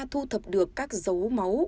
thu thập được các dấu máu